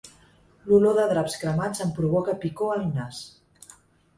L'olor de draps cremats em provoca picor al nas.